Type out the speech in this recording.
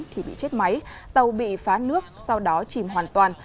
thì bị chết máy tàu bị phá nước sau đó chìm hoàn toàn